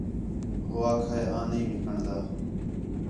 ہو آکھا ہِے آں نہیں وِکݨ دا